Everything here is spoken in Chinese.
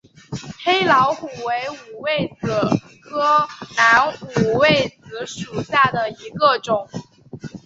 黑老虎为五味子科南五味子属下的一个种。